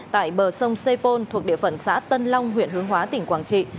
tại bờ sông sepol thuộc địa phận xã tân long huyện hướng hóa tỉnh quảng trị